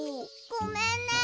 ごめんね。